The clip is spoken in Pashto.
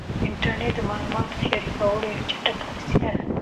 انټرنیټ د معلوماتو د شریکولو یوه چټکه وسیله ده.